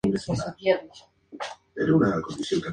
Finalmente, tendrá un uso cultural y no administrativo.